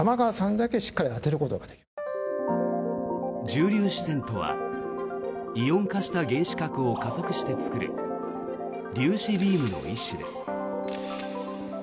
重粒子線とはイオン化した原子核を加速して作る粒子ビームの一種です。